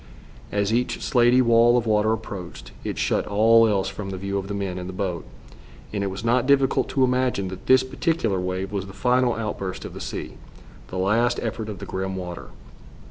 As each slatey wall of water approached, it shut all else from the view of the men in the boat, and it was not difficult to imagine that this particular wave was the final outburst of the ocean, the last effort of the grim water.